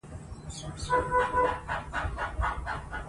سندرې د ذهني آرامۍ او خوشحالۍ سبب دي.